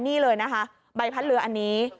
นี่เลยนะคะใบพัดเรืออันนี้